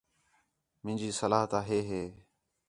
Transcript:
مینجی صلاح تا ہے ہے